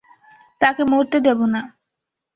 তাকে মরতে দেব না।